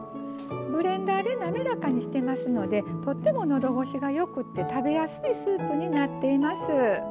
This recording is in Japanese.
ブレンダーで滑らかにしてますのでとっても喉越しがよくて食べやすいスープになっています。